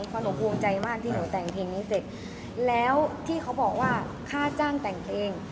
เพราะหนูภูมิใจมากที่หนูแต่งเพลงนี้เสร็จแล้วที่เขาบอกว่าค่าจ้างแต่งเพลง